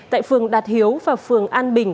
tại phường đạt hiếu và phường an bình